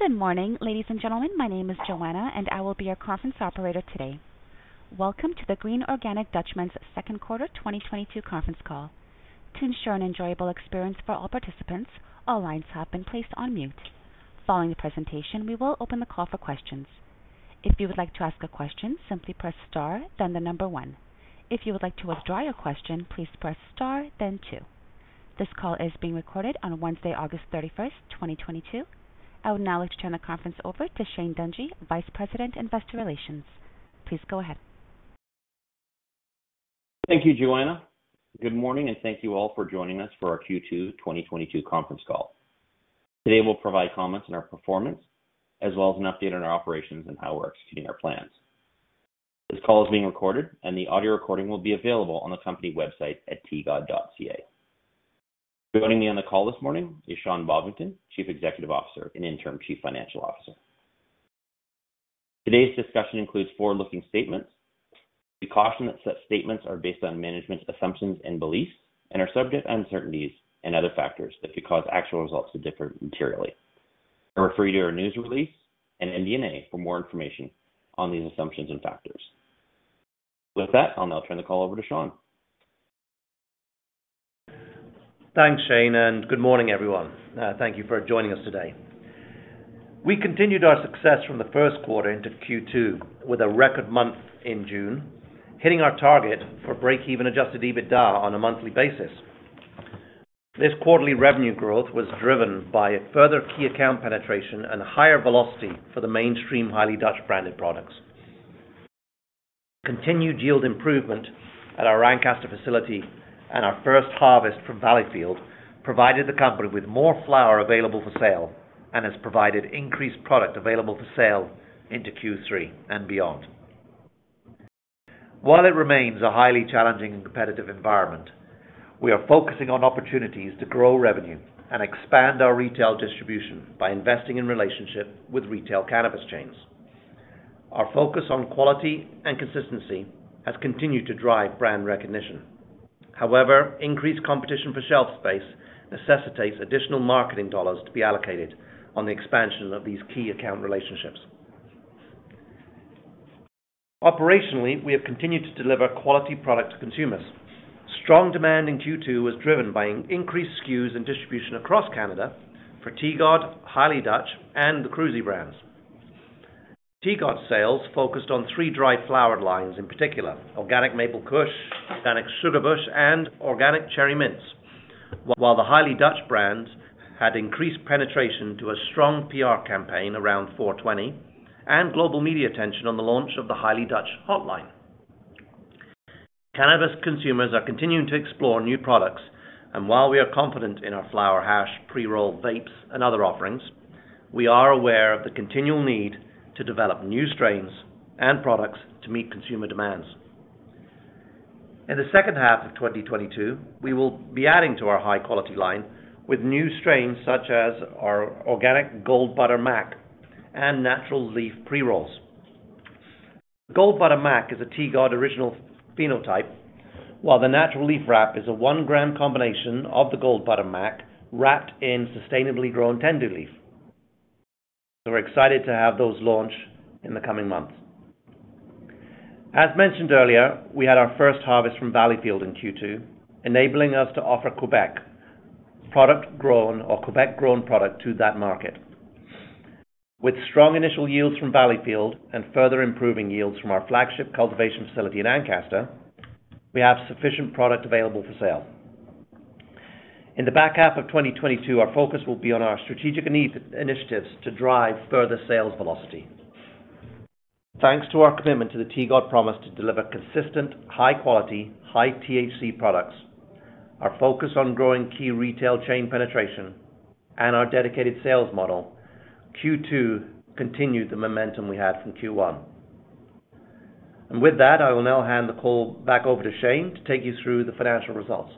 Good morning, ladies and gentlemen. My name is Joanna, and I will be your conference operator today. Welcome to The Green Organic Dutchman's Second Quarter 2022 Conference Call. To ensure an enjoyable experience for all participants, all lines have been placed on mute. Following the presentation, we will open the call for questions. If you would like to ask a question, simply press star then the number one. If you would like to withdraw your question, please press star then two. This call is being recorded on Wednesday, August 31st, 2022. I would now like to turn the conference over to Shane Dungey, Vice President, Investor Relations. Please go ahead. Thank you, Joanna. Good morning, and thank you all for joining us for our Q2 2022 conference call. Today we'll provide comments on our performance, as well as an update on our operations and how we're executing our plans. This call is being recorded, and the audio recording will be available on the company website at tgod.ca. Joining me on the call this morning is Sean Bovingdon, Chief Executive Officer and Interim Chief Financial Officer. Today's discussion includes forward-looking statements. We caution that such statements are based on management's assumptions and beliefs and are subject to uncertainties and other factors that could cause actual results to differ materially. I refer you to our news release and MD&A for more information on these assumptions and factors. With that, I'll now turn the call over to Sean. Thanks, Shane, and good morning, everyone. Thank you for joining us today. We continued our success from the first quarter into Q2 with a record month in June, hitting our target for break-even adjusted EBITDA on a monthly basis. This quarterly revenue growth was driven by further key account penetration and higher velocity for the mainstream Highly Dutch Organic-branded products. Continued yield improvement at our Ancaster facility and our first harvest from Valleyfield provided the company with more flower available for sale and has provided increased product available for sale into Q3 and beyond. While it remains a highly challenging and competitive environment, we are focusing on opportunities to grow revenue and expand our retail distribution by investing in relationship with retail cannabis chains. Our focus on quality and consistency has continued to drive brand recognition. However, increased competition for shelf space necessitates additional marketing dollars to be allocated on the expansion of these key account relationships. Operationally, we have continued to deliver quality product to consumers. Strong demand in Q2 was driven by increased SKUs and distribution across Canada for TGOD, Highly Dutch Organic, and the Cruuzy Brands. TGOD sales focused on three dry flower lines in particular, Organic Maple Kush, Organic Sugar Bush, and Organic Cherry Mints. While the Highly Dutch Organic brands had increased penetration due to a strong PR campaign around 420 and global media attention on the launch of the Highly Dutch Organic hotline. Cannabis consumers are continuing to explore new products, and while we are confident in our flower hash, pre-roll vapes, and other offerings, we are aware of the continual need to develop new strains and products to meet consumer demands. In the second half of 2022, we will be adding to our high-quality line with new strains such as our Organic Gold Butter MAC and Natural Leaf pre-rolls. Gold Butter MAC is a TGOD original phenotype, while the Natural Leaf wrap is a 1-gram combination of the Gold Butter MAC wrapped in sustainably grown tendu leaf. We're excited to have those launch in the coming months. As mentioned earlier, we had our first harvest from Valleyfield in Q2, enabling us to offer Quebec-grown product to that market. With strong initial yields from Valleyfield and further improving yields from our flagship cultivation facility in Ancaster, we have sufficient product available for sale. In the back half of 2022, our focus will be on our strategic initiatives to drive further sales velocity. Thanks to our commitment to the TGOD promise to deliver consistent, high quality, high THC products, our focus on growing key retail chain penetration, and our dedicated sales model, Q2 continued the momentum we had from Q1. With that, I will now hand the call back over to Shane to take you through the financial results.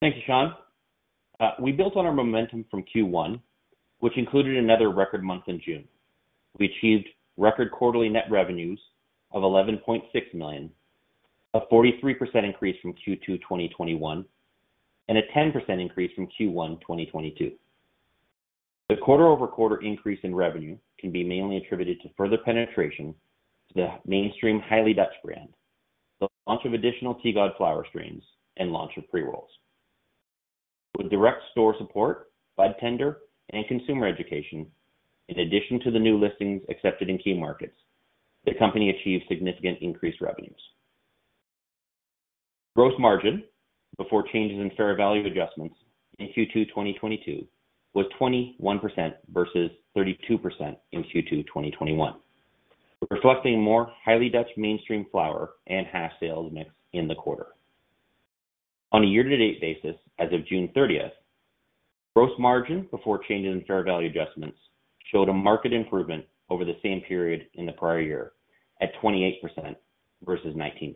Thank you, Sean. We built on our momentum from Q1, which included another record month in June. We achieved record quarterly net revenues of 11.6 million, a 43% increase from Q2 2021, and a 10% increase from Q1 2022. The quarter-over-quarter increase in revenue can be mainly attributed to further penetration to the mainstream Highly Dutch Organic brand, the launch of additional TGOD flower strains, and launch of pre-rolls. With direct store support, budtender, and consumer education, in addition to the new listings accepted in key markets, the company achieved significant increased revenues. Gross margin before changes in fair value adjustments in Q2 2022 was 21% versus 32% in Q2 2021. We're reflecting more Highly Dutch Organic mainstream flower and hash sales mix in the quarter. On a year-to-date basis, as of June 30th, gross margin before changes in fair value adjustments showed a marked improvement over the same period in the prior year at 28% versus 19%.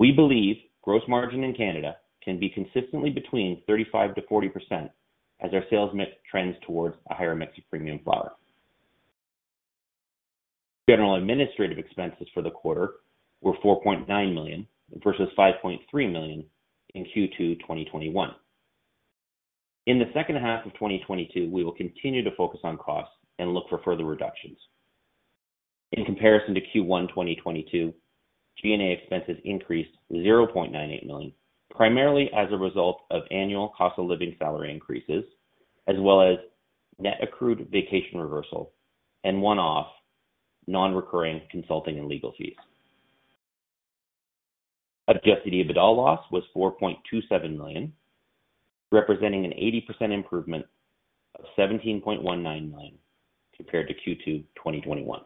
We believe gross margin in Canada can be consistently between 35%-40% as our sales mix trends towards a higher mix of premium flower. General administrative expenses for the quarter were 4.9 million versus 5.3 million in Q2 2021. In the second half of 2022, we will continue to focus on costs and look for further reductions. In comparison to Q1 2022, G&A expenses increased 0.98 million, primarily as a result of annual cost-of-living salary increases, as well as net accrued vacation reversal and one-off non-recurring consulting and legal fees. Adjusted EBITDA loss was 4.27 million, representing an 80% improvement of 17.19 million compared to Q2 2021.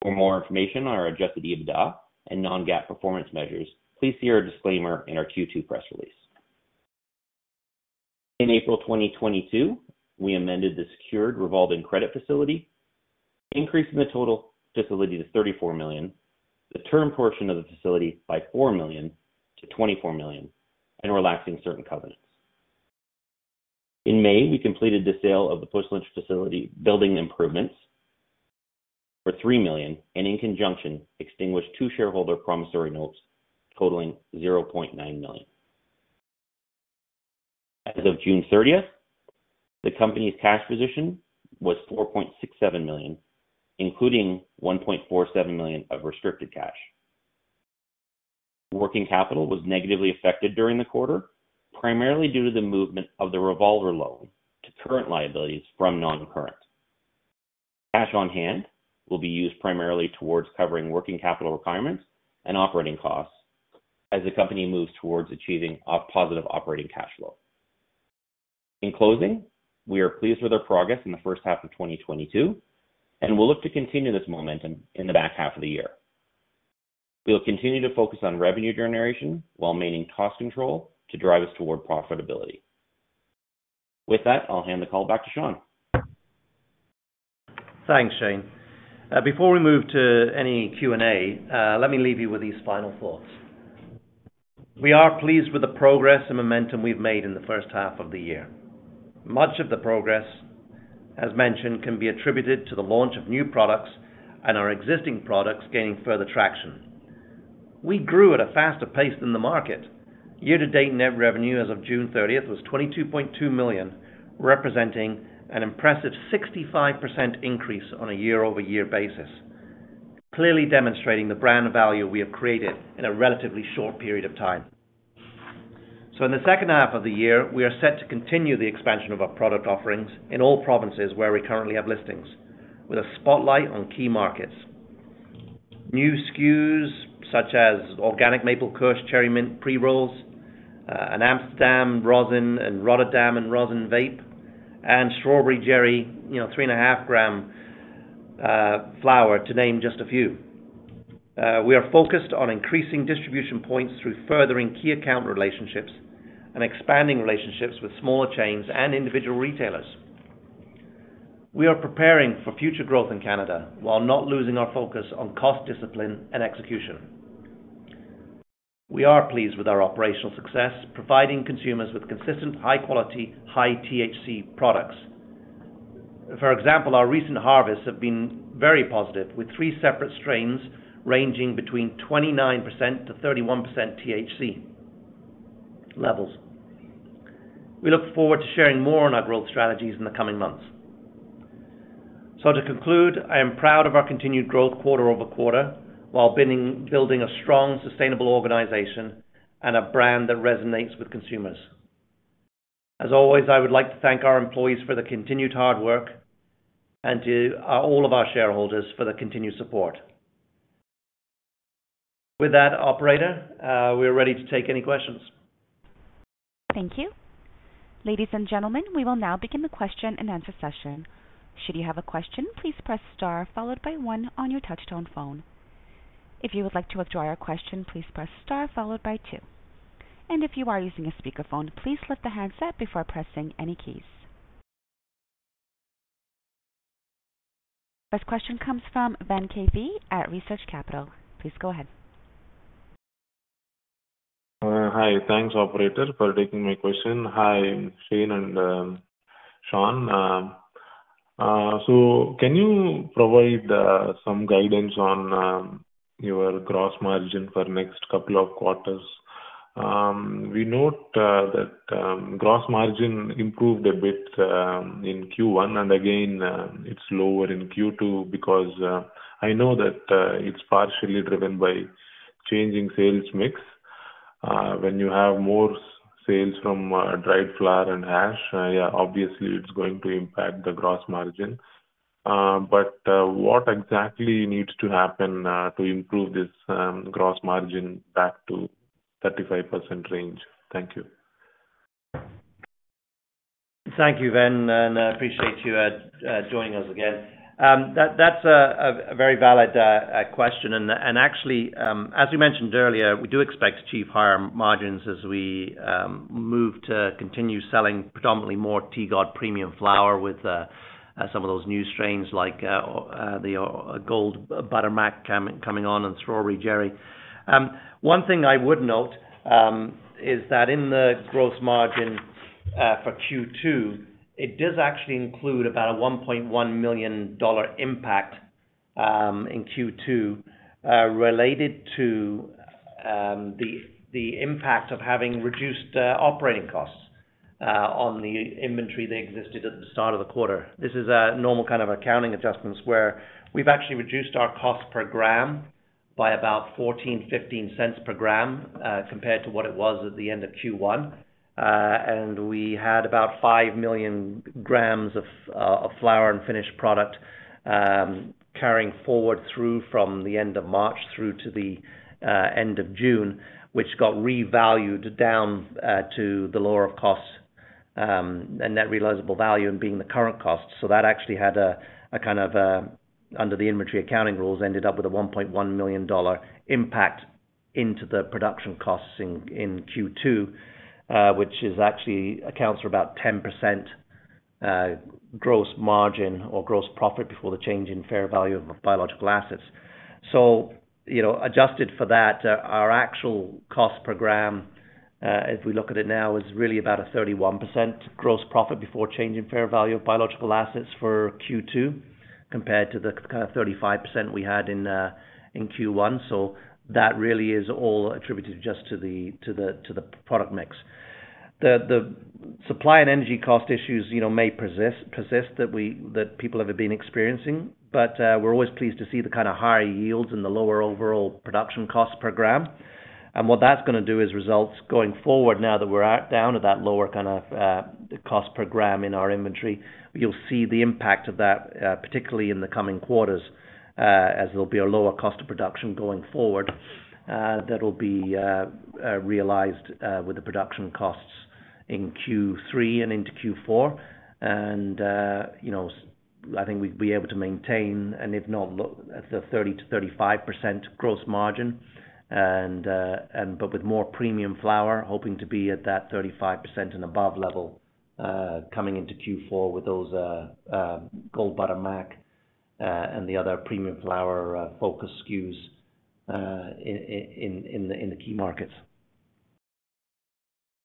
For more information on our adjusted EBITDA and non-GAAP performance measures, please see our disclaimer in our Q2 press release. In April 2022, we amended the secured revolving credit facility, increasing the total facility to 34 million, the term portion of the facility by 4 million to 24 million, and relaxing certain covenants. In May, we completed the sale of the Puslinch facility building improvements for 3 million, and in conjunction extinguished two shareholder promissory notes totaling 0.9 million. As of June 30th, the company's cash position was 4.67 million, including 1.47 million of restricted cash. Working capital was negatively affected during the quarter, primarily due to the movement of the revolver loan to current liabilities from non-current. Cash on hand will be used primarily towards covering working capital requirements and operating costs as the company moves towards achieving a positive operating cash flow. In closing, we are pleased with our progress in the first half of 2022, and we'll look to continue this momentum in the back half of the year. We will continue to focus on revenue generation while maintaining cost control to drive us toward profitability. With that, I'll hand the call back to Sean. Thanks, Shane. Before we move to any Q&A, let me leave you with these final thoughts. We are pleased with the progress and momentum we've made in the first half of the year. Much of the progress, as mentioned, can be attributed to the launch of new products and our existing products gaining further traction. We grew at a faster pace than the market. Year-to-date net revenue as of June 30th was 22.2 million, representing an impressive 65% increase on a year-over-year basis, clearly demonstrating the brand value we have created in a relatively short period of time. In the second half of the year, we are set to continue the expansion of our product offerings in all provinces where we currently have listings with a spotlight on key markets. New SKUs such as Organic Maple Kush Cherry Mints pre-rolls, an Amsterdam Sativa and Rotterdam n' Rosin vape, and Strawberry Jerry, you know, 3.5-gram flower, to name just a few. We are focused on increasing distribution points through furthering key account relationships and expanding relationships with smaller chains and individual retailers. We are preparing for future growth in Canada while not losing our focus on cost discipline and execution. We are pleased with our operational success, providing consumers with consistent, high-quality, high-THC products. For example, our recent harvests have been very positive, with three separate strains ranging between 29%-31% THC levels. We look forward to sharing more on our growth strategies in the coming months. To conclude, I am proud of our continued growth quarter-over-quarter while building a strong, sustainable organization and a brand that resonates with consumers. As always, I would like to thank our employees for their continued hard work and to all of our shareholders for their continued support. With that, operator, we are ready to take any questions. Thank you. Ladies and gentlemen, we will now begin the question-and-answer session. Should you have a question, please press star followed by one on your touch tone phone. If you would like to withdraw your question, please press star followed by two. If you are using a speakerphone, please lift the handset before pressing any keys. First question comes from Venkata at Research Capital. Please go ahead. Hi. Thanks, operator, for taking my question. Hi, Shane and Sean. Can you provide some guidance on your gross margin for next couple of quarters? We note that gross margin improved a bit in Q1, and again, it's lower in Q2 because I know that it's partially driven by changing sales mix. When you have more sales from dried flower and hash, yeah, obviously it's going to impact the gross margin. What exactly needs to happen to improve this gross margin back to 35% range? Thank you. Thank you, Ven, and I appreciate you joining us again. That's a very valid question. Actually, as we mentioned earlier, we do expect to achieve higher margins as we move to continue selling predominantly more TGOD premium flower with some of those new strains like the Gold Butter MAC coming on and Strawberry Jerry. One thing I would note is that in the gross margin for Q2, it does actually include about a 1.1 million dollar impact in Q2 related to the impact of having reduced operating costs on the inventory that existed at the start of the quarter. This is a normal kind of accounting adjustments where we've actually reduced our cost per gram by about 0.14-0.15 per gram, compared to what it was at the end of Q1. We had about 5 million grams of flower and finished product carrying forward through from the end of March through to the end of June, which got revalued down to the lower of costs and net realizable value and being the current cost. That actually had a kind of under the inventory accounting rules, ended up with a 1.1 million dollar impact into the production costs in Q2, which actually accounts for about 10% gross margin or gross profit before the change in fair value of biological assets. You know, adjusted for that, our actual cost per gram, if we look at it now, is really about a 31% gross profit before change in fair value of biological assets for Q2 compared to the kind of 35% we had in Q1. That really is all attributed just to the product mix. The supply and energy cost issues, you know, may persist that people have been experiencing. We're always pleased to see the kind of higher yields and the lower overall production cost per gram. What that's gonna do is results going forward now that we're down at that lower kind of cost per gram in our inventory. You'll see the impact of that, particularly in the coming quarters, as there'll be a lower cost of production going forward, that'll be realized, with the production costs in Q3 and into Q4. You know, I think we'd be able to maintain and if not the 30%-35% gross margin. But with more premium flower, hoping to be at that 35% and above level, coming into Q4 with those, Gold Butter MAC, and the other premium flower, focus SKUs, in the key markets.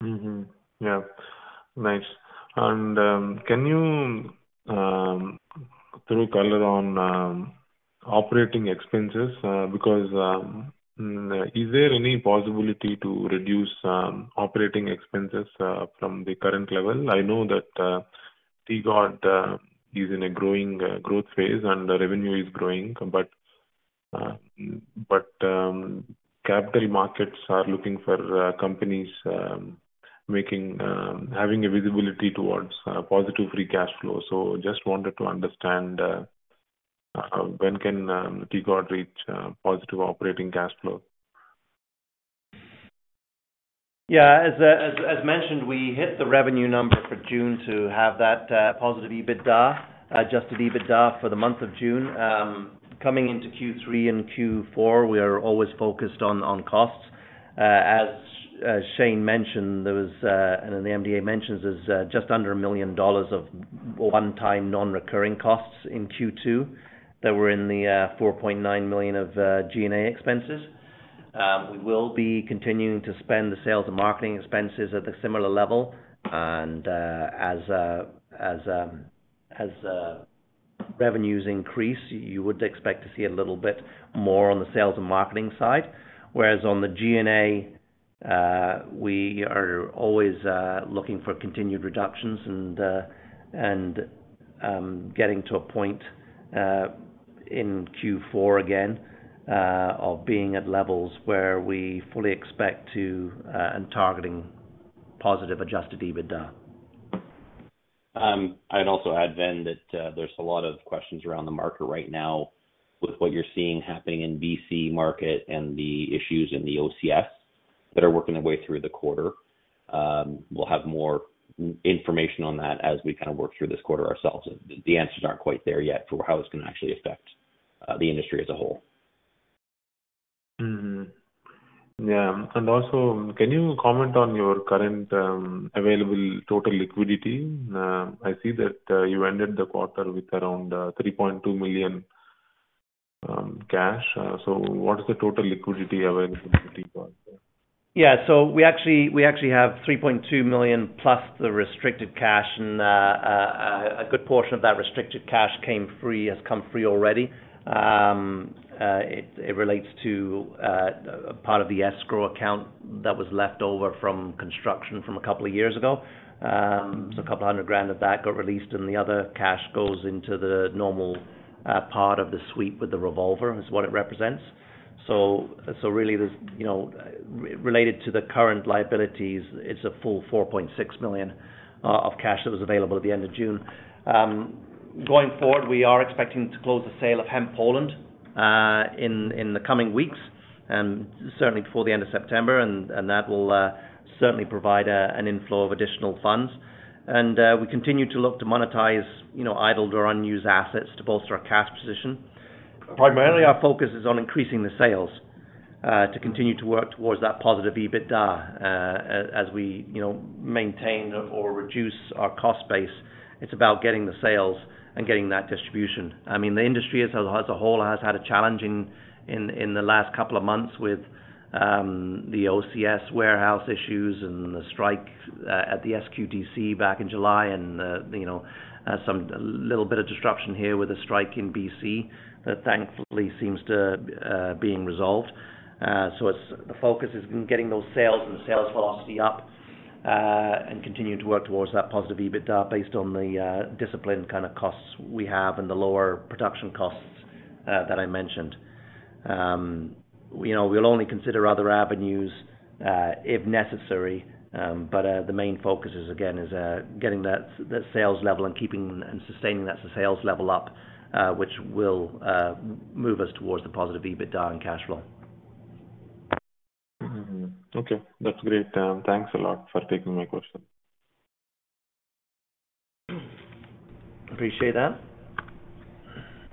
Mm-hmm. Yeah. Nice. Can you throw color on operating expenses because is there any possibility to reduce operating expenses from the current level? I know that TGOD is in a growth phase, and the revenue is growing. Capital markets are looking for companies having a visibility towards positive free cash flow. Just wanted to understand when can TGOD reach positive operating cash flow? Yeah. As mentioned, we hit the revenue number for June to have that positive EBITDA, adjusted EBITDA for the month of June. Coming into Q3 and Q4, we are always focused on costs. As Shane mentioned, there was, and the MD&A mentions, just under 1 million dollars of one-time non-recurring costs in Q2 that were in the 4.9 million of G&A expenses. We will be continuing to spend the sales and marketing expenses at a similar level. As revenues increase, you would expect to see a little bit more on the sales and marketing side. Whereas on the G&A, we are always looking for continued reductions and getting to a point in Q4 again of being at levels where we fully expect to and targeting positive adjusted EBITDA. I'd also add then that, there's a lot of questions around the market right now with what you're seeing happening in B.C. market and the issues in the OCS that are working their way through the quarter. We'll have more information on that as we kind of work through this quarter ourselves. The answers aren't quite there yet for how it's gonna affect the industry as a whole. Can you comment on your current available total liquidity? I see that you ended the quarter with around 3.2 million cash. What is the total liquidity available to TGOD? Yeah. We actually have 3.2 million plus the restricted cash. A good portion of that restricted cash has come free already. It relates to part of the escrow account that was left over from construction a couple of years ago. It's a couple hundred grand that got released, and the other cash goes into the normal part of the sweep with the revolver is what it represents. Really there's, you know, related to the current liabilities, it's a full 4.6 million of cash that was available at the end of June. Going forward, we are expecting to close the sale of HemPoland in the coming weeks and certainly before the end of September, and that will certainly provide an inflow of additional funds. We continue to look to monetize, you know, idled or unused assets to bolster our cash position. Primarily, our focus is on increasing the sales to continue to work towards that positive EBITDA as we, you know, maintain or reduce our cost base. It's about getting the sales and getting that distribution. I mean, the industry as a whole has had a challenging time in the last couple of months with the OCS warehouse issues and the strike at the SQDC back in July and you know some a little bit of disruption here with a strike in BC that thankfully seems to be resolved. The focus is on getting those sales and the sales velocity up and continuing to work towards that positive EBITDA based on the disciplined kind of costs we have and the lower production costs that I mentioned. You know, we'll only consider other avenues if necessary. The main focus is again getting the sales level and keeping and sustaining that sales level up which will move us towards the positive EBITDA and cash flow. Mm-hmm. Okay. That's great. Thanks a lot for taking my question. Appreciate that.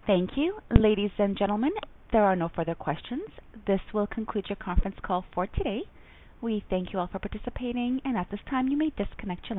Thank you. Ladies and gentlemen, there are no further questions. This will conclude your conference call for today. We thank you all for participating, and at this time, you may disconnect your line.